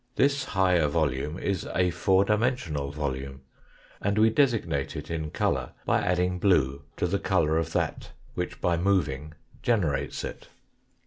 This higher volume is a four dimensional volume, and we designate it in colour by adding blue to the colour of that which by moving generates it.